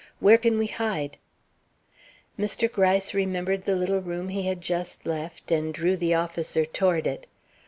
Where can we hide?" Mr. Gryce remembered the little room he had just left, and drew the officer toward it.